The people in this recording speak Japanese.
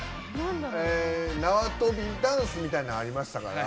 え縄跳びダンスみたいなんありましたから